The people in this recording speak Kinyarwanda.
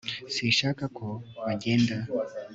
sinshaka ko bagenda